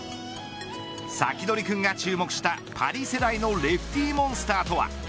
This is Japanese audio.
サキドリくんが注目したパリ世代のレフティモンスターとは。